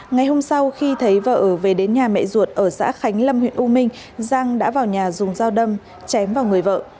ngày hôm sau khi thấy vợ về đến nhà mẹ ruột ở xã khánh lâm huyện u minh giang đã vào nhà dùng dao đâm chém vào người vợ